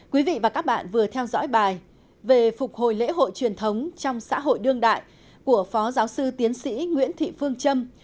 quý vị và các bạn vừa theo dõi bài về phục hồi lễ hội truyền thống trong xã hội đương đại của phó giáo sư tiến sĩ nguyễn thị phương trâm